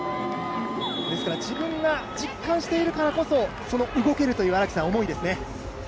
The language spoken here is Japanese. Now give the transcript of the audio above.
ですから自分が実感しているからこそ、その動けるというその思いですよね。